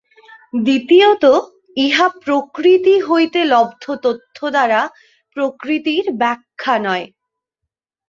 দ্বিতীয়ত ইহা প্রকৃতি হইতে লব্ধ তথ্য দ্বারা প্রকৃতির ব্যাখ্যা নয়।